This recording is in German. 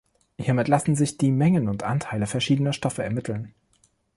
Hiermit lassen sich die Mengen und Anteile verschiedener Stoffe ermitteln.